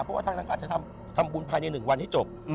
เพราะว่าทางน้ำกาลจะทำบุญภายในหนึ่งวันให้จบ